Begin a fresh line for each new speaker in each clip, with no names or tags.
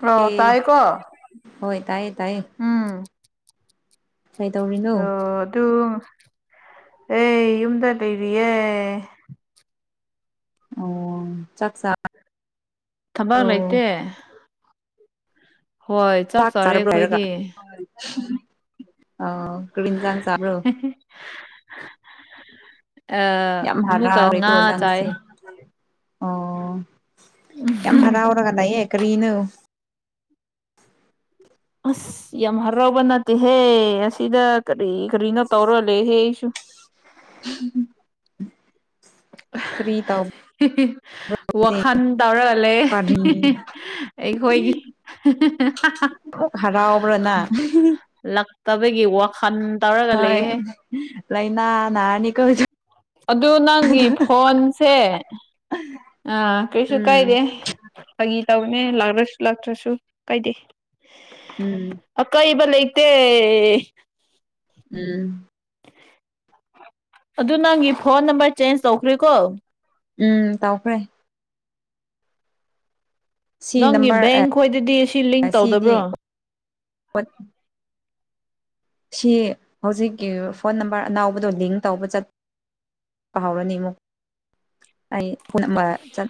Hello
ꯑꯦ
ꯇꯥꯏ ꯀꯣ
ꯍꯣꯏ ꯇꯥꯏ
ꯎꯝ
ꯀꯩ ꯇꯧꯔꯤꯅꯣ
ꯑꯣ ꯑꯗꯨ ꯑꯦ ꯌꯨꯝꯗ ꯂꯩꯔꯤꯌꯦ
ꯑꯣ ꯆꯥꯛ ꯆꯥ
ꯊꯕꯛ ꯂꯩꯇꯦ ꯍꯣꯏ
ꯆꯥꯛ
ꯆꯥꯔꯦ
ꯆꯥꯔꯕ꯭ꯔꯥ ꯍꯥꯏꯔꯒ
ꯑꯩꯈꯣꯏꯗꯤ
ꯑ ꯀꯔꯤ ꯏꯟꯖꯥꯡ ꯆꯥꯕ꯭ꯔꯣ꯫ ꯌꯥꯝ
ꯑꯃꯨꯛꯀ ꯉꯥ
ꯍꯔꯥꯎꯔꯦꯀꯣ
ꯆꯥꯏ
ꯅꯪꯁꯦ ꯑꯣ ꯌꯥꯝ ꯍꯔꯥꯎꯔꯒ ꯂꯩꯌꯦ ꯀꯔꯤꯅꯣ
ꯑꯁ ꯌꯥꯝ ꯍꯔꯎꯕ ꯅꯠꯇꯦꯍꯦ ꯑꯁꯤꯗ ꯀꯔꯤ ꯀꯔꯤꯅꯣ ꯇꯧꯔ ꯂꯩꯍꯦ ꯑꯩꯁꯨ
[inaudible] ꯀ꯭ꯔꯤ ꯇꯧ
ꯋꯥꯈꯜ ꯇꯧꯔꯥꯒ ꯂꯩꯌꯦ
ꯀꯔꯤ
ꯑꯩꯈꯣꯏꯒꯤ
ꯐꯨꯛ ꯍꯔꯥꯎꯕ꯭ꯔꯥ ꯅꯪ
ꯂꯛꯇꯕꯒꯤ ꯋꯥꯈꯜ ꯇꯧꯔꯒ
ꯍꯣꯏ
ꯂꯩꯍꯦ
ꯂꯩꯅꯥ ꯅꯅꯤꯀꯣ
ꯑꯗꯨ ꯅꯪꯒꯤ ꯐꯣꯟꯁꯦ ꯀꯩꯁꯨ
ꯎꯝ
ꯀꯥꯏꯗꯦ ꯐꯥꯒꯤ ꯇꯧꯅꯦ ꯂꯥꯛꯂꯁꯨ ꯂꯥꯛꯇ꯭ꯔꯁꯨ ꯀꯥꯏꯗꯦ
ꯎꯝ
ꯑꯀꯥꯏꯕ ꯂꯩꯇꯦ꯫
ꯎꯝ꯫
ꯑꯗꯨ ꯅꯪꯒꯤ ꯐꯣꯟ ꯅꯝꯕꯔ ꯆꯦꯟꯖ ꯇꯧꯈ꯭ꯔꯦꯀꯣ꯫
ꯎꯝ ꯇꯧꯈ꯭ꯔꯦ꯫ ꯁꯤ
ꯅꯪꯒꯤ
ꯅꯝꯕꯔ
ꯕꯦꯡ ꯈꯣꯏꯗꯗꯤ ꯁꯤ ꯂꯤꯡ
ꯑꯦ ꯁꯤꯗꯤ
ꯇꯧꯗꯕ꯭ꯔꯣ
ꯑꯣꯠ ꯁꯤ ꯍꯧꯖꯤꯛꯀꯤ ꯐꯣꯟ ꯅꯝꯕꯔ ꯑꯅꯥꯎꯕꯗꯣ ꯂꯤꯡ ꯇꯧꯕ ꯆꯠ ꯇꯍꯧꯔꯅꯤ ꯑꯃꯨꯛ꯫ ꯑꯩ ꯄꯨꯟ ꯑꯃꯥ ꯆꯠ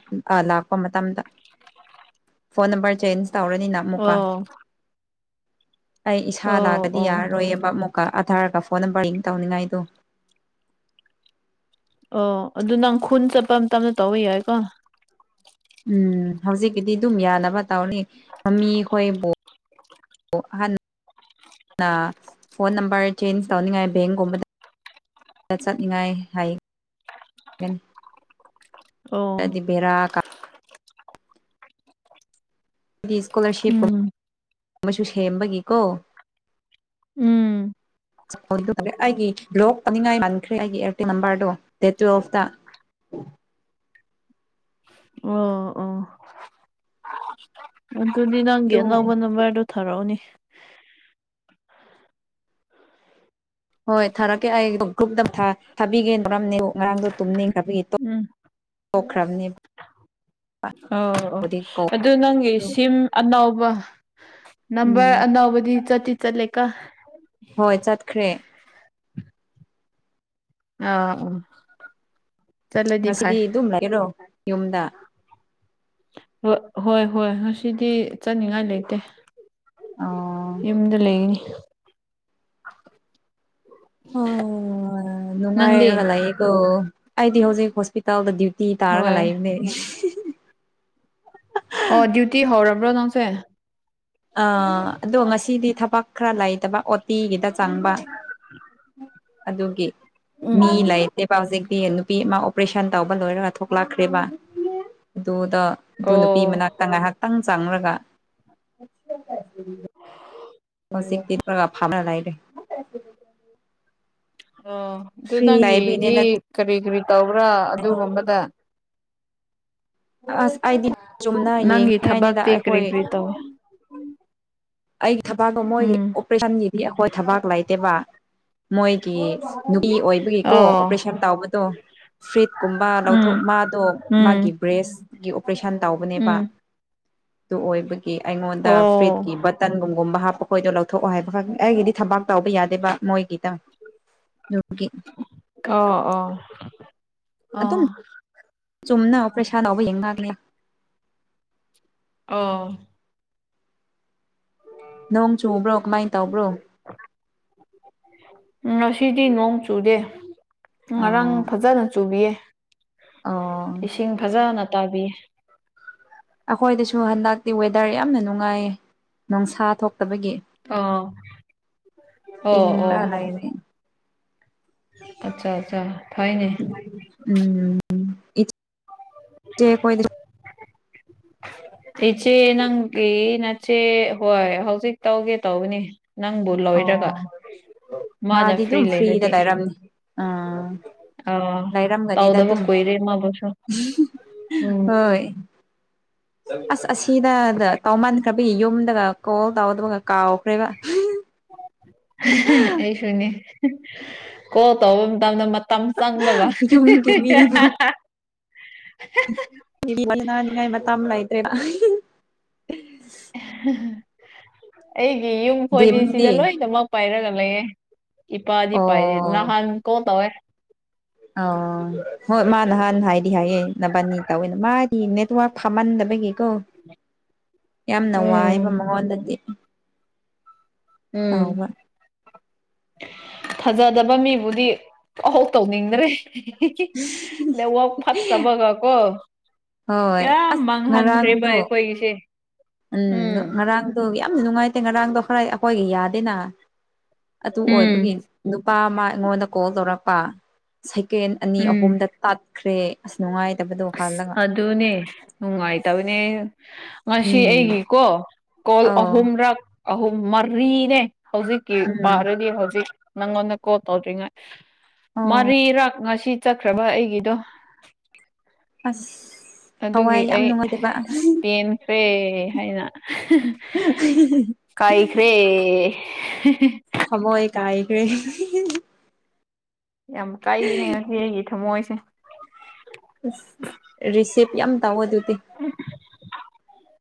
ꯂꯛꯄ ꯃꯇꯝꯗ
[inaudible]
ꯐꯣꯟ ꯅꯝꯕꯔ ꯆꯦꯟꯖ ꯇꯧꯔꯅꯤ ꯅꯪ
ꯑꯣ꯫
ꯑꯩ ꯏꯁꯥ
ꯑꯣ
ꯂꯥꯛꯇ꯭ꯔꯥꯗꯤ
ꯑꯣ
ꯌꯥꯔꯔꯣꯏꯌꯦꯕ ꯃꯨꯛꯀꯥ ꯑꯗꯔꯒ ꯐꯣꯟ ꯅꯝꯕꯔꯒ ꯂꯤꯡ ꯇꯧꯅꯤꯡꯉꯥꯏꯗꯣ
ꯑꯣ ꯑꯗꯨ ꯅꯪ ꯈꯨꯟ ꯆꯠꯄ ꯃꯇꯝꯗ ꯇꯧꯕ ꯌꯥꯏꯀꯣ
ꯎꯝ ꯍꯧꯖꯤꯛꯀꯤꯗꯤ ꯑꯗꯨꯝ ꯌꯥꯅꯕ ꯇꯧꯅꯤ ꯃꯃꯤꯈꯣꯏꯕꯨ꯫ ꯕꯨ ꯑꯍꯥꯟ ꯑ ꯐꯣꯟ ꯅꯝꯕꯔ ꯆꯦꯟꯖ ꯇꯧꯅꯤꯡꯉꯥꯏ ꯕꯦꯡꯒꯨꯝꯕꯗ ꯆꯠꯅꯤꯡꯉꯥꯏ ꯍꯥꯏ
ꯑꯣ
ꯔꯥꯗꯤ ꯕꯦꯔꯥ ꯀꯥ ꯑꯩꯗꯤ ꯏꯁꯀꯣꯂꯔꯁꯤꯞ
ꯎꯝ
ꯑꯃꯁꯨ ꯁꯦꯝꯕꯒꯤꯀꯣ꯫
ꯎꯝ
ꯐꯔꯦ ꯑꯩꯒꯤ꯫ ꯕ꯭ꯂꯣꯛ ꯑꯅꯤꯡꯉꯥꯏ ꯄꯟꯈ꯭ꯔꯦ ꯑꯩꯒꯤ ꯑꯦꯔꯇꯦꯜ ꯅꯝꯕꯔꯗꯣ ꯗꯦꯠ ꯇꯨꯋꯐꯇ꯫
ꯑꯣ ꯑꯣ꯫ ꯑꯗꯨꯗꯤ ꯅꯪꯒꯤ
ꯑꯗꯨ
ꯑꯅꯧꯕ ꯅꯝꯕꯔꯗꯣ ꯊꯥꯔꯛꯑꯣꯅꯦ꯫
ꯍꯣꯏ ꯊꯥꯔꯛꯀꯦ ꯑꯩ ꯀ꯭ꯔꯨꯞꯇ ꯊꯥ ꯊꯥꯕꯤꯒꯦ ꯇꯧꯔꯝꯅꯦ ꯑꯗꯨ ꯉꯔꯥꯡꯗꯣ ꯇꯨꯝꯅꯤꯡꯈ꯭ꯔꯕꯒꯤ ꯇꯨꯝ
ꯎꯝ
ꯊꯣꯛꯈꯔ꯭ꯕꯅꯦ꯫
ꯑꯩ ꯑꯣ
ꯀꯧ
ꯑꯗꯨꯗ ꯅꯪꯒꯤ ꯁꯤꯝ ꯑꯅꯧꯕ
ꯎꯝ
ꯑꯅꯩꯕꯗꯤ ꯆꯠꯇꯤ ꯆꯠꯂꯦ ꯀꯣ꯫
ꯍꯣꯏ ꯆꯠꯈ꯭ꯔꯦ꯫
ꯑ ꯑꯣ꯫
ꯉꯁꯤꯗꯤ ꯑꯗꯨꯝ ꯂꯩꯔꯣ ꯌꯨꯝꯗ꯫
ꯍꯣꯏ ꯍꯣꯏ ꯉꯁꯤꯗꯤ ꯆꯠꯅꯤꯉꯥꯏ ꯂꯩꯇꯦ꯫
ꯑꯣ
ꯌꯨꯝꯗ ꯂꯩꯒꯅꯤ꯫
ꯍꯣꯏ ꯍꯣꯏ ꯍꯣꯏ ꯍꯣꯏ꯫ ꯑꯣ
ꯅꯪꯗꯤ
ꯅꯨꯡꯉꯥꯏꯔꯒ ꯂꯥꯛꯌꯦꯀꯣ ꯑꯩꯗꯤ ꯍꯧꯖꯤꯛ ꯍꯣꯁꯄꯤꯇꯥꯜꯗ ꯗ꯭ꯌꯨꯇꯤ ꯇꯥꯔꯒ
ꯍꯣꯏ
ꯂꯥꯛꯏꯕꯅꯦ꯫ [unintelligible]
ꯑꯣ ꯗ꯭ꯌꯨꯇꯤ ꯍꯧꯔꯥꯕ꯭ꯔꯣ ꯅꯪꯁꯦ꯫
ꯑ ꯑꯗꯣ ꯉꯁꯤꯗꯤ ꯊꯕꯛ ꯈꯔ ꯂꯩꯇꯕ ꯑꯣꯇꯤꯒꯤꯗ ꯆꯪꯕ꯫ ꯑꯗꯨꯒꯤ ꯃꯤ
ꯎꯝ
ꯂꯩꯇꯦꯕ ꯍꯧꯖꯤꯛꯇꯤ ꯅꯨꯄꯤ ꯑꯃꯥ ꯑꯣ ꯑꯣꯄꯔꯦꯁꯟ ꯇꯧꯕ ꯂꯣꯏꯔꯒ ꯊꯣꯛꯂꯛꯈ꯭ꯔꯦꯕ ꯑꯗꯨꯗꯣ ꯑꯗꯨ ꯅꯨꯄꯤ
ꯑꯣ
ꯃꯅꯥꯛꯇ ꯉꯥꯏꯍꯥꯛꯇꯪ ꯆꯪꯂꯒ꯫ [inaudible] [unintelligible] ꯐꯥꯅꯔ ꯂꯩꯔꯦ꯫
ꯑꯣ ꯑꯗꯨ
ꯐ꯭ꯔꯤ
ꯅꯪꯒꯤꯗꯤ
ꯂꯩꯕꯒꯤꯅꯦꯅ
ꯀꯔꯤ ꯀꯔꯤ ꯇꯧꯕ꯭ꯔꯥ ꯑꯗꯨꯒꯨꯝꯕꯗ꯫
ꯑꯁ ꯑꯩꯗꯤ ꯆꯨꯝꯅ
ꯅꯪꯒꯤ
ꯌꯦꯡꯅꯤꯡꯉꯥꯏꯅꯤꯗ
ꯊꯕꯛꯇꯤ ꯀꯔꯤ
ꯑꯩꯈꯣꯏ꯫
ꯀꯔꯤ ꯇꯧꯋꯦ
ꯑꯩꯒꯤ ꯊꯕꯥꯛꯇꯣ ꯃꯣꯏꯒꯤ
ꯎꯝ
ꯑꯣꯄꯔꯦꯁꯟꯒꯤꯗꯤ ꯑꯩꯈꯣꯏ ꯊꯕꯥꯛ ꯂꯩꯇꯦꯕ꯫ ꯃꯣꯏꯒꯤ ꯅꯨꯄꯤ ꯑꯣꯏꯕꯒꯤꯀꯣ
ꯑꯣ
ꯑꯣꯄꯔꯦꯁꯟ ꯇꯥꯎꯕꯗꯣ ꯐ꯭ꯔꯤꯠ ꯀꯨꯝꯕ ꯂꯧꯊꯣꯛ
ꯎꯝ
ꯃꯥꯗꯣ
ꯎꯝ
ꯃꯥꯒꯤ ꯕ꯭ꯔꯦꯁ ꯀꯤ ꯇꯨꯏꯁꯟ ꯇꯧꯕꯅꯦꯕ
ꯎꯝ
ꯑꯗꯨ ꯑꯣꯏꯕꯒꯤ ꯑꯩꯉꯣꯟꯗ
ꯑꯣ
ꯐ꯭ꯔꯤꯠꯀꯤ ꯕꯠ ꯇꯟꯒꯨꯝꯒꯨꯝꯕ ꯍꯥꯞꯄ ꯈꯣꯏꯗꯣ ꯂꯧꯊꯣꯛꯑꯣ ꯍꯥꯏꯕ ꯈꯪ ꯑꯩꯒꯤꯗꯤ ꯊꯕꯥꯛ ꯇꯧꯕꯕ ꯌꯥꯗꯦꯕ ꯃꯣꯏꯒꯤꯗ꯫ [unintelligible]
ꯑꯣ ꯑꯣ ꯑꯣ꯫
ꯑꯗꯨꯝ ꯆꯨꯝꯅ ꯑꯣꯄ꯭ꯔꯦꯁꯟ ꯇꯧꯕ ꯌꯦꯡꯅꯕꯅꯤ꯫
ꯑꯧ
ꯅꯣꯡ ꯆꯨꯕ꯭ꯔꯣ ꯀꯃꯥꯏ ꯇꯧꯕ꯭ꯔꯣ
[inaudible] ꯉꯁꯤꯗꯤ ꯅꯣꯡ ꯆꯨꯗꯦ ꯉꯔꯥꯡ
ꯑꯣ
ꯐꯖꯥꯅ ꯆꯨꯕꯤꯌꯦ
ꯑꯣ
ꯏꯁꯤꯡ ꯐꯖꯅ ꯇꯥꯕꯤ
ꯑꯩꯈꯣꯏꯗꯁꯨ ꯍꯟꯗꯛꯇꯤ ꯋꯦꯗꯔ ꯌꯥꯝꯅ ꯅꯨꯡꯉꯥꯏꯌꯦ ꯅꯣꯡꯁꯥ ꯊꯣꯛꯇꯕꯒꯤ
ꯑꯥ ꯑꯣ
ꯏꯪ ꯂꯥꯒ ꯂꯩꯔꯦ꯫
ꯑꯆꯥ ꯑꯆꯥ ꯐꯩꯅꯦ꯫
ꯎꯝ ꯏꯆꯦ ꯈꯣꯏꯗꯤ
ꯏꯆꯦ ꯅꯪꯒꯤ ꯅꯠ ꯁꯦ ꯍꯣꯏ ꯍꯧꯖꯤꯛ ꯇꯧꯒꯦ ꯇꯧꯕꯅꯤ꯫ ꯅꯪꯕꯨ ꯂꯣꯏꯔꯒ
ꯑꯣ
ꯃꯥꯅ
ꯃꯥꯗꯤ
ꯐ꯭ꯔꯤ
ꯑꯗꯨꯝ ꯐ꯭ꯔꯤꯗ
ꯂꯩꯔꯗꯤ꯫
ꯂꯩꯔꯝꯅꯤ ꯑꯥ
ꯑ
ꯂꯥꯏꯔꯝꯒꯅꯤꯗ
ꯇꯧꯗꯕ
ꯑꯗꯨ
ꯀꯨꯏꯔꯦ ꯃꯥꯕꯨꯁꯨ ꯎꯝ
ꯍꯣꯏ ꯑꯁ ꯑꯁꯤꯗ ꯇꯥꯎꯃꯟꯈ꯭ꯔꯕꯤ ꯌꯨꯝꯗꯒ ꯀꯣꯜ ꯇꯥꯎꯗꯕꯒ ꯀꯥꯎꯈ꯭ꯔꯦꯒ
ꯑꯩꯁꯨꯅꯦ ꯀꯣꯟ ꯇꯧꯕ ꯃꯇꯝꯗ ꯃꯠ ꯇꯝ ꯆꯥꯡ ꯕꯒ
ꯌꯨꯝꯒꯤ ꯅꯅꯤꯡ ꯉꯥꯏꯃ ꯇꯝꯂꯥꯏꯇ꯭ꯔꯦꯅ
ꯑꯩꯒꯤ ꯌꯨꯝ ꯈꯣꯏꯗꯤ ꯁꯤꯗ
ꯗꯤꯝꯗꯤ
ꯂꯣꯏꯅꯃꯛ ꯄꯥꯏꯔꯒ ꯂꯩꯌꯦ ꯏꯄꯥ ꯏ ꯄ ꯏꯗꯤ ꯅ
ꯑꯣ
ꯍꯥꯟ ꯀꯣ ꯇꯕꯦ
ꯑ ꯍꯣꯏ ꯃꯥ ꯅꯍꯥꯟ ꯍꯥꯏꯗꯤ ꯍꯥꯏꯑꯦ ꯅꯕꯥꯅꯤ ꯇꯧꯋꯦꯅ ꯃꯥꯗꯤ ꯅꯦꯠꯋꯥꯛ ꯐꯃꯟꯗꯕꯒꯤꯦꯀꯣ
[inaudible]
ꯌꯥꯝꯅ ꯋꯥꯏꯕ
ꯎꯝ
ꯃꯉꯣꯟꯗꯗꯤ
ꯎꯝ
ꯇꯧꯕ
ꯊꯥꯖꯗꯥꯕ ꯃꯤꯕꯨꯗꯤ ꯑꯍꯧ ꯇꯧꯅꯤꯡꯗ꯭ꯔꯦ ꯅꯋꯥꯛ ꯐꯠꯇꯕꯒ ꯀꯣ
ꯍꯣꯏ
ꯀꯤꯌꯥ
ꯑꯁ
ꯃꯥꯡꯍꯟꯈ꯭ꯔꯦꯕꯥ
ꯉꯔꯥꯡꯗꯣ
ꯑꯩꯈꯣꯏꯒꯤꯁꯦ
ꯎꯝ ꯉꯔꯥꯡꯗꯣ ꯌꯥꯝ ꯅꯨꯡꯉꯥꯏꯇꯦ ꯉꯔꯥꯡꯗꯣ ꯈꯔꯥ ꯑꯩꯈꯣꯏꯒꯤ ꯌꯥꯗꯦꯅ ꯑꯗꯨ ꯑꯣꯏꯕꯒꯤ
ꯎꯝ
ꯅꯨꯄꯥ ꯑꯃ ꯑꯩꯉꯣꯟꯗ ꯀꯣꯜ ꯇꯧꯔꯛꯄ ꯁꯦꯀꯦꯟ ꯑꯅꯤ
ꯎꯝ
ꯑꯍꯨꯝꯗ ꯇꯥꯠꯈ꯭ꯔꯦ ꯑꯁ ꯅꯨꯡꯉꯥꯏꯇꯕꯗꯣ
ꯑꯁ
ꯍꯥꯜꯂꯒ꯫
ꯑꯗꯨꯅꯦ ꯅꯨꯡꯉꯥꯏꯇꯕꯅꯦ ꯉꯁꯤ
ꯎꯝ
ꯑꯩꯒꯤꯀꯣ꯫ ꯀꯣꯜ
ꯑꯧ
ꯑꯍꯨꯝꯔꯛ ꯑꯍꯨꯝ ꯃꯔꯤꯅꯦ ꯍꯧꯖꯤꯛ
ꯎꯝ
ꯄꯥꯔꯗꯤ ꯍꯧꯖꯤꯛ ꯅꯪꯉꯣꯟꯗ ꯀꯣꯜ ꯇꯧꯗ꯭ꯔꯤꯉꯩ
ꯑꯣ
ꯃꯔꯤꯔꯥꯛ ꯉꯁꯤ ꯆꯠꯈ꯭ꯔꯕ ꯑꯩꯒꯤꯗꯣ꯫
ꯑꯁ
ꯑꯗꯨꯒꯤ
ꯊꯋꯥꯏ ꯌꯥꯝ
ꯑꯩ
ꯅꯨꯡꯉꯥꯏꯇꯕ
ꯑꯁ ꯄꯦꯟꯈ꯭ꯔꯦ ꯍꯥꯏꯅ
[inaudible]
ꯀꯥꯏꯈꯔꯦ
ꯊꯃꯣꯏ ꯀꯥꯏꯈ꯭ꯔꯦ
ꯌꯥꯝ ꯀꯥꯏꯕꯅꯦ ꯉꯁꯤ ꯑꯩꯒꯤ ꯊꯝꯃꯣꯏꯁꯦ
ꯑꯁ ꯔꯤꯁꯤꯞ ꯌꯥꯝ ꯇꯥꯎꯋ ꯑꯗꯨꯗꯤ
[inaudible]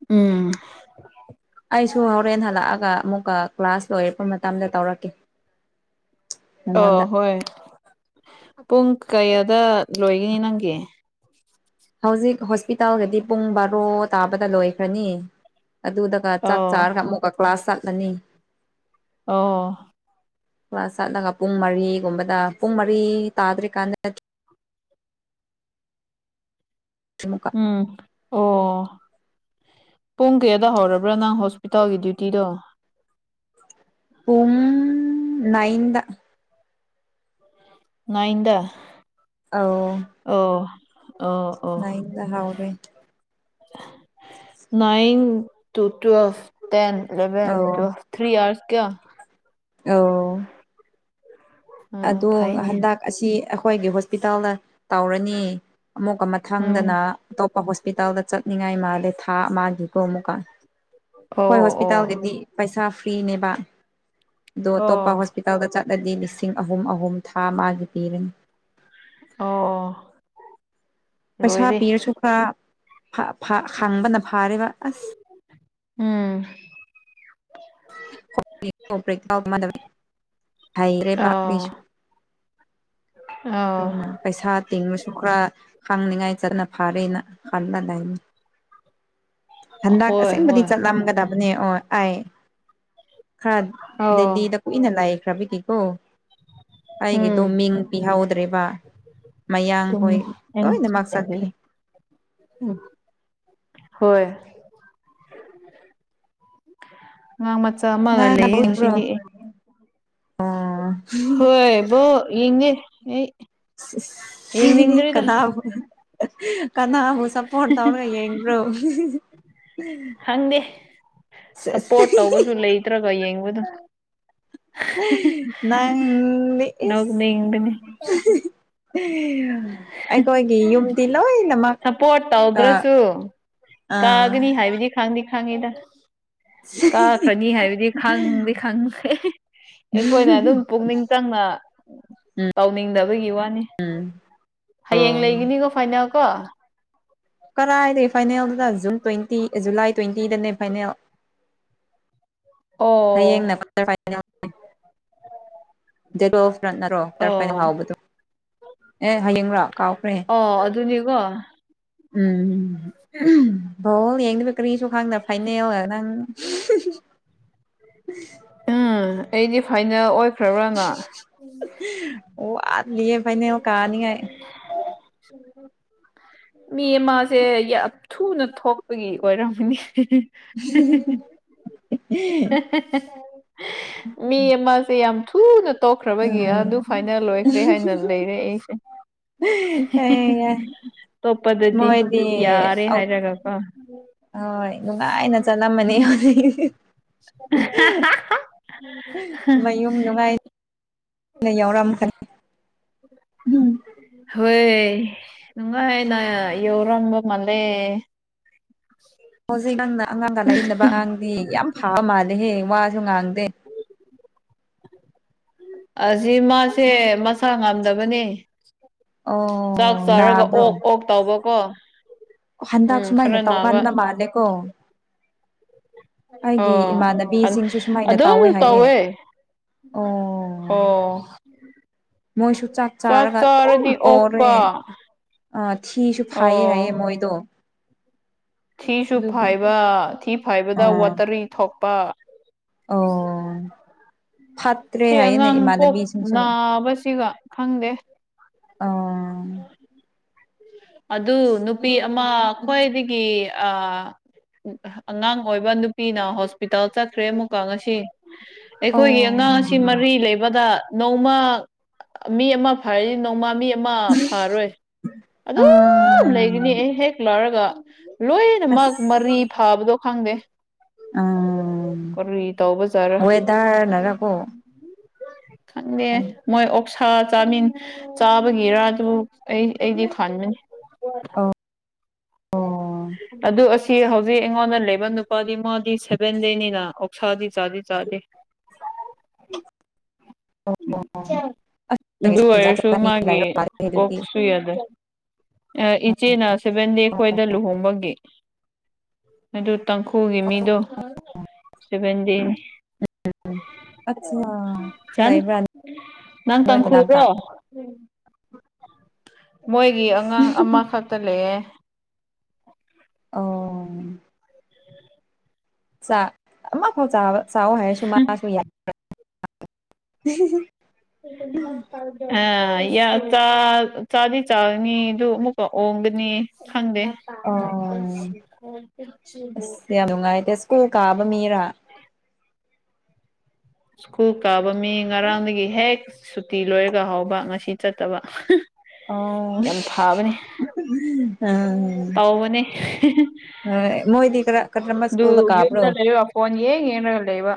ꯎꯝ
ꯑꯩꯁꯨ ꯍꯣꯔꯦꯟ ꯍꯜꯂꯛꯑꯒ ꯑꯃꯨꯛꯀ ꯀ꯭ꯂꯥꯁ ꯂꯣꯏꯔꯛꯄ ꯃꯇꯝꯗ ꯇꯧꯔꯛꯀꯦ
ꯑ
ꯅꯪꯉꯣꯟꯗ
ꯍꯣꯏ ꯄꯨꯡ ꯀꯌꯥꯗ ꯂꯣꯏꯒꯅꯤ ꯅꯪꯒꯤ
ꯍꯧꯖꯤꯛ ꯍꯣꯁꯄꯤꯇꯥꯜꯒꯗꯤ ꯄꯨꯡ ꯕꯥꯔꯣ ꯇꯥꯕꯗ ꯂꯣꯏꯈ꯭ꯔꯅꯤ ꯑꯗꯨꯗ ꯗꯨꯒ ꯆꯥꯛ
ꯑꯣ
ꯆꯥꯔꯒ ꯑꯃꯨꯛꯀ ꯀ꯭ꯂꯥꯁ ꯆꯠꯂꯅꯤ
ꯑꯣ
ꯀ꯭ꯂꯥꯁ ꯆꯠꯂꯒ ꯄꯨꯡ ꯃꯔꯤꯒꯨꯝꯕꯗ ꯄꯨꯡ ꯃꯔꯤ ꯇꯥꯗ꯭ꯔꯤꯀꯥꯟꯗ ꯑꯃꯨꯛꯀ
ꯎꯝ ꯑꯣ ꯄꯨꯡ ꯀꯌꯥꯗ ꯍꯧꯔꯕ꯭ꯔꯥ ꯅꯪ ꯍꯣꯁꯄꯤꯇꯥꯜꯒꯤ ꯗ꯭ꯌꯨꯏ ꯇꯤꯗꯣ
ꯄꯨꯡ ꯅꯥꯏꯟꯗ
ꯅꯥꯏꯟꯗ
ꯑꯧ
ꯑꫭ ꯑꫭ ꯑꯣ
ꯅꯥꯏꯟꯗ ꯍꯧꯔꯦ
ꯅꯏꯟ ꯇꯨ ꯇꯨꯋ ꯇꯦꯟ ꯏꯂꯚꯦꯟ ꯀ
ꯑꯧ
ꯊ꯭ꯔꯤ ꯑꯔꯁ ꯀꯌꯥ꯫
ꯑꯣ
ꯎꯝ
ꯑꯗꯣ
ꯐꯩꯅꯦ
ꯍꯟꯗꯛ ꯑꯁꯤ ꯑꯩꯈꯣꯏꯒꯤ ꯍꯣꯁꯄꯤꯇꯥꯜꯗ ꯇꯧꯔꯅꯤ ꯑꯃꯨꯛ ꯑꯃ
ꯎꯝ
ꯊꯪꯗꯅ ꯑꯇꯣꯞꯄ ꯍꯣꯁꯄꯤꯇꯥꯜꯗ ꯆꯠꯅꯤꯡꯉꯥꯏ ꯃꯥꯂꯦꯊꯥ ꯃꯥꯒꯤꯀꯣ ꯑꯃꯨꯛꯀ ꯍꯣꯏ
ꯑꯣ ꯑꯣ
ꯍꯣꯁꯄꯤꯇꯥꯜꯒꯤꯗꯤ ꯄꯩꯁꯥ ꯐ꯭ꯔꯤꯅꯦꯕ ꯑꯗꯣ ꯑꯇꯣꯞꯄ
ꯑꯣ
ꯍꯣꯄꯤ ꯍꯇꯗ ꯆꯠꯂꯗꯤ ꯂꯤꯁꯤꯡ ꯑꯍꯨꯝ ꯑꯍꯨꯝ ꯊꯥ ꯃꯥꯒꯤ ꯄꯤꯔꯅꯤ
ꯑꯣ ꯑꯣ
ꯄꯩꯁꯥ
ꯂꯣꯏꯔꯦ
ꯄꯤꯔꯁꯨ ꯈꯔ ꯍꯥꯡꯕꯅ ꯐꯥꯔꯦꯕ ꯑꯁ
ꯎꯝ
ꯥꯎ ꯍꯣꯏ [unintelligible]
ꯑ
ꯑꯗꯨꯅ ꯄꯩꯁꯥ ꯇꯤꯡꯉꯁꯨ ꯈꯔ ꯈꯪꯅꯤꯡꯉꯥꯏ ꯆꯠꯅ ꯐꯔꯦꯅ ꯈꯜꯂꯗꯥꯏꯅꯤ
[inaudible]
ꯍꯟꯗꯛ
ꯍꯣꯏ
ꯑꯁꯦꯡꯕꯗꯤ
ꯍꯣꯏ
ꯆꯠꯂꯝꯒꯗꯕꯅꯦ ꯑꯣ ꯑꯩ ꯈꯔ
ꯑꯥ
ꯗꯦꯗꯤꯗ ꯀꯨꯏꯅ ꯂꯥꯏꯈ꯭ꯔꯕꯒꯤꯀꯣ ꯑꯩꯒꯤꯗꯣ
ꯎꯝ
ꯃꯤꯡ ꯄꯤꯍꯧꯗ꯭ꯔꯦꯕ ꯃꯌꯥꯡꯈꯣꯏ
ꯆꯨꯝꯃꯦ ꯑꯩꯅ
ꯂꯣꯏꯅꯃꯛ ꯆꯠꯈ꯭ꯔꯦ
ꯆꯠꯇꯕꯒꯤ ꯎꯝ ꯍꯣꯏ ꯑꯉꯥꯡ ꯃꯆꯥ ꯑꯃꯒ
ꯅꯪ
ꯂꯩꯌꯦ
ꯌꯦꯡꯕ꯭ꯔꯣ
ꯉꯁꯤꯗꯤ ꯑꯦ ꯍꯣꯏꯕꯣ ꯌꯦꯡꯉꯦ ꯑꯩ ꯌꯦꯡꯅꯤꯡꯗꯔꯦꯗ
ꯀꯅꯥꯕꯨ ꯀꯅꯥꯕꯨ ꯁꯞꯄꯣꯔꯠ ꯇꯧꯔꯒ ꯌꯦꯡꯕ꯭ꯔꯣ
ꯈꯪꯗꯦ ꯁꯞꯄꯣꯔꯠ ꯇꯧꯕꯁꯨ ꯂꯩꯇ꯭ꯔꯒ ꯌꯦꯡꯕꯗꯣ
ꯅꯪ
ꯅꯣꯛꯅꯤꯡꯕꯅꯤ
[unintelligible] ꯌꯨꯝꯗꯤ ꯂꯣꯏꯅꯃꯛ
ꯁꯝꯄꯣꯔꯠ
ꯑꯥ
ꯇꯧꯗ꯭ꯔꯁꯨ ꯀꯥꯒꯅꯤ ꯍꯥꯏꯕꯗꯤ ꯈꯪꯗꯤ ꯈꯪꯉꯤꯗ ꯀꯥꯈ꯭ꯔꯅꯤ ꯍꯥꯏꯕꯗꯤ ꯈꯪꯗꯤ ꯈꯪꯈꯔꯦ ꯑꯩꯈꯣꯏꯅ ꯑꯗꯨꯝ ꯄꯨꯛꯅꯤꯡ ꯆꯪꯅ ꯇꯧꯅꯤꯡꯗꯕꯒꯤ ꯋꯥꯅꯦ
ꯎꯝ
ꯍꯌꯦꯡ ꯂꯩꯒꯤꯅꯤꯀꯣ ꯐꯥꯏꯅꯜ ꯀꯣ
ꯀꯔꯥꯏꯗ ꯐꯥꯏꯅꯦꯜꯗꯨꯅ ꯖꯨꯟ ꯇꯨꯋꯦꯟꯇꯤ ꯖꯨꯂꯥꯏ ꯇꯨꯋꯦꯟꯇꯤꯗꯅꯦ ꯐꯥꯏꯅꯦꯜ
ꯑꯣ
ꯍꯌꯦꯡꯅꯅꯔꯣ ꯀꯔꯐꯥꯏꯅ
ꯑꯣ
ꯍꯥꯎꯕꯗꯣ [unintelligible] ꯑꯦ ꯍꯌꯦꯡꯔ ꯀꯥꯎꯈ꯭ꯔꯦ
ꯑꯣ ꯑꯗꯨꯅꯤꯀꯣ
ꯎꯝ ꯎꯝ ꯕꫭꯜ ꯌꯦꯡꯉꯤꯔ ꯀꯔꯤꯁꯨ ꯈꯪꯗ ꯐꯥꯏꯅꯦ ꯑꯣ ꯅꯪ
ꯎꯝ ꯑꯩꯗꯤ ꯐꯥꯏꯅꯦꯜ ꯑꯣꯏꯈ꯭ꯔꯕ꯭ꯔꯥꯅ
ꯑꯣ ꯋꯥꯠꯂꯤꯌꯦ ꯐꯥꯏꯅꯦ ꯀꯥꯅꯤ ꯉꯥꯏ
ꯎ [unintelligible] ꯎꯝ [unintelligible] ꯃꯤ ꯑꯃꯁꯦ ꯌꯥꯝ ꯊꯨꯅ ꯊꯣꯛꯄꯒꯤ ꯑꯣꯏꯔꯝꯃꯅꯤ [inaudible] ꯃꯤ ꯑꯃꯁꯦ ꯌꯥꯝ ꯊꯨꯅ ꯇꯣꯛꯈ꯭ꯔꯕꯒꯤ
ꯎꯝ
ꯑꯗꯨ ꯐꯥꯏꯅꯦꯜ ꯂꯣꯏꯈ꯭ꯔꯦ ꯍꯥꯏꯅ ꯂꯩꯔꯦ ꯑꯩꯁꯦ ꯇꯣꯞꯄꯗꯗꯤ
ꯃꯣꯏꯗꯤ
ꯌꯥꯔꯦ ꯍꯥꯏꯔ [unintelligible]
ꯍꯣꯏ ꯅꯨꯡꯉꯥꯏꯅ ꯆꯠꯂꯝꯃꯅꯤ ꯍꯧꯖꯤꯛ ꯅꯌꯨꯝ ꯅꯨꯡꯉꯥꯏ ꯅ ꯌꯥꯎ ꯔꯝ ꯈꯅꯤ
ꯍꯣꯏ ꯅꯨꯡꯉꯥꯏꯅ ꯌꯧꯔꯝꯕ ꯃꯥꯜꯂꯦ
ꯍꯧꯖꯤꯛ ꯅꯪꯅ ꯑꯉꯥꯡꯒ ꯂꯩꯕ ꯑꯉꯥꯡꯗꯤ ꯌꯥꯝ ꯐꯥꯕ ꯃꯥꯜꯂꯦꯍꯦ ꯋꯥꯁꯨ ꯉꯥꯡꯗꯦ
ꯑꯁꯤ ꯃꯥꯁꯦ ꯃꯁꯥ ꯉꯝꯗꯕꯅꯦ ꯆꯥꯛ
ꯑꯣ
ꯆꯥꯔꯒ
ꯅꯥꯕ꯭ꯔꯣ
ꯑꯣꯛ ꯑꯣꯛ ꯇꯧꯕ ꯀꯣ
ꯍꯟꯗꯛ ꯁꯨꯃꯥꯏꯅ ꯇꯧꯒꯟꯕ ꯃꯥꯜꯂꯦꯀꯣ ꯑꯩꯒꯤ
ꯑꯣ
ꯏꯃꯥꯟꯅꯕꯤꯁꯤꯡꯁꯨ ꯁꯨꯃꯥꯏꯅ
ꯑꯗꯨꯝ
ꯍꯥꯏꯌꯦ
ꯇꯧꯋꯦ
ꯑꯣ
ꯑꯣ
ꯃꯣꯏꯁꯨ ꯆꯥꯛ ꯆꯥꯔꯒ ꯑꯗꯨꯝ
ꯆꯥꯔꯗꯤ
ꯑꯣꯔꯦ
ꯑꯣꯛꯄ
ꯑꯥ ꯊꯤꯖꯨ ꯐꯥꯏꯌꯦ ꯍꯥꯏꯌꯦ
ꯑꯣ
ꯃꯣꯏꯗꯣ
ꯊꯤꯖꯨ
ꯑꯗꯨꯒꯤ
ꯐꯥꯏꯕ ꯊꯤ ꯐꯥꯏꯕꯗ
ꯑꯥ
ꯋꯥꯇꯔꯤ ꯊꯣꯛꯄ
ꯑꯣ ꯐꯠꯇ꯭ꯔꯦ
ꯁꯤ
ꯍꯥꯏꯌꯦꯅꯦ
ꯑꯉꯥꯡ ꯕꯨꯛ
ꯏꯃꯥꯟꯅꯕꯤꯁꯤꯡꯁꯨ
ꯅꯥꯕꯁꯤꯒ ꯈꯪꯗꯦ
ꯑ
ꯑꯗꯨ ꯅꯨꯄꯤ ꯑꯃ ꯈ꯭ꯋꯥꯏꯗꯒꯤ ꯑ ꯑꯉꯥꯡ ꯑꯣꯏꯕ ꯅꯨꯄꯤꯅ ꯍꯣꯁꯄꯤꯇꯥꯜ ꯆꯠꯈ꯭ꯔꯦ ꯑꯃꯨꯛꯀ ꯉꯁꯤ
ꯑꯣ
ꯑꯩꯈꯣꯏꯒꯤ ꯑꯉꯥꯡꯁꯤ ꯃꯔꯤ ꯂꯩꯕꯗ ꯅꯣꯡꯃ ꯃꯤ ꯑꯃ ꯐꯔꯗꯤ ꯅꯣꯡꯃ ꯃꯤ ꯑꯃ ꯐꯔꯣꯏ ꯑꯗꯨꯝ ꯂꯩꯒꯅꯤ
ꯑꯥ
ꯑꯩ ꯍꯦꯛ ꯂꯣꯏꯔꯒ ꯂꯣꯏꯅꯃꯛ
ꯑꯁ
ꯃꯔꯤ ꯐꯕꯗꯣ ꯈꯪꯗꯦ
ꯑꯥ
ꯀꯔꯤ ꯇꯧꯕꯖꯥꯠꯔ
ꯋꯦꯗꯔꯅꯔꯀꯣ
ꯈꯪꯗꯦ ꯃꯣꯏ ꯑꯣꯛꯁꯥ ꯆꯥꯅꯤꯡ ꯆꯥꯕꯒꯤꯔꯥ ꯑꯗꯨ ꯑꯩ ꯑꯩꯗꯤ ꯈꯥꯟꯕꯅꯤ
ꯑꯣ
ꯑꯗꯨ ꯑꯁꯤ ꯇꯤ ꯍꯧꯖꯤꯛ ꯑꯩꯉꯣꯟꯗ ꯂꯩꯕ ꯅꯨꯄꯥꯗꯤ ꯃꯥꯗꯤ ꯁꯦꯚꯦꯟꯗꯅꯤꯅ ꯑꯣꯛꯁꯥꯗꯤ ꯆꯥꯗꯤ ꯆꯥꯗꯦ
ꯑꯁ ꯖꯥꯠ
ꯗꯨꯑꯣꯏꯔꯁꯨ
ꯖꯥꯠꯅꯤ
ꯃꯥꯒꯤ
ꯂꯩꯕ ꯃꯥꯜꯂꯦ ꯑꯗꯨꯗꯤ
ꯑꯣꯛꯁꯨ ꯌꯥꯗꯦ ꯏꯆꯦꯅ ꯁꯕꯦꯟꯗꯦ ꯈꯣꯏꯗ ꯂꯨꯍꯣꯡꯕꯒꯤ ꯑꯗꯨ ꯇꯥꯡꯈꯨꯜꯒꯤ ꯃꯤꯗꯣ ꯁꯕꯦꯟꯗꯦ
ꯎꯝ ꯑꯠꯆꯥ
ꯆꯟ
ꯂꯩꯕ꯭ꯔꯥ
ꯅꯪ
ꯅꯣꯏ ꯃꯅꯥꯛꯇ [inaudible]
ꯇꯥꯡꯈꯨꯜꯔꯣ ꯃꯣꯏꯒꯤ ꯑꯉꯥꯡ ꯑꯃꯈꯛꯇ ꯂꯩꯌꯦ
ꯑꯣ ꯥꯆꯥꯛ ꯑꯃꯈꯛ ꯆꯥꯕ ꯆꯥꯑꯣ ꯍꯥꯏꯔꯁꯨ ꯃꯥꯁꯨ [unintelligible]
[inaudible] ꯑ ꯌꯥ ꯆꯥꯛ ꯆꯥꯗꯤ ꯆꯥꯒꯅꯤ ꯗꯨꯒ ꯑꯃꯨꯛꯀ ꯑꯣꯡꯒꯅꯤ ꯈꯪꯗꯦ
ꯑꯣ ꯑꯁ ꯌꯥꯝ ꯅꯨꯡꯉꯥꯏꯗꯦ ꯁ꯭ꯀꯨꯜ ꯀꯥꯕ ꯃꯤꯔꯥ
ꯁ꯭ꯀꯨꯜ ꯀꯥꯕ ꯃꯤ ꯉꯔꯥꯡꯗꯒꯤ ꯍꯦꯛ ꯁꯨꯇꯤ ꯂꯣꯏꯔꯒ ꯍꯥꯎꯕ ꯉꯁꯤ ꯆꯠꯇꯕ
ꯑꯣ
ꯌꯥꯝ ꯐꯥꯕꯅꯦ
ꯎꯝ
ꯇꯥꯎꯕꯅꯦ
ꯃꯣꯏꯗꯤ ꯀꯔ ꯀꯔꯝꯕ
ꯑꯗꯨ
ꯁ꯭ꯀꯨꯜꯗ ꯀꯥꯕ꯭ꯔꯣ
ꯂꯩꯔꯣ ꯐꯣꯟ ꯌꯦꯡ ꯌꯦꯡꯔꯒ ꯂꯩꯕ